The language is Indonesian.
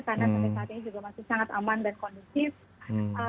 karena sampai saat ini masih sangat aman dan kondisif